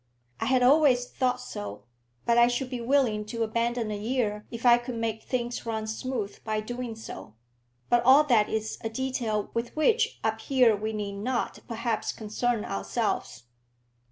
"I had always thought so; but I should be willing to abandon a year if I could make things run smooth by doing so. But all that is a detail with which up here we need not, perhaps, concern ourselves."